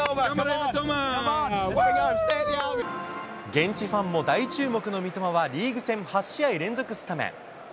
現地ファンも大注目の三笘はリーグ戦８試合連続スタメン。